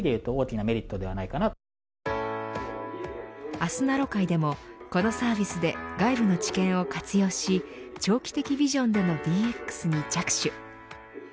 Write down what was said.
あすなろ会でもこのサービスで外部の知見を活用し長期的ビジョンでのＤＸに着手。